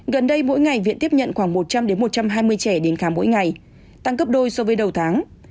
gần đây mỗi ngày viện tiếp nhận khoảng một trăm linh một trăm hai mươi trẻ đến khám mỗi ngày tăng gấp đôi so với đầu tháng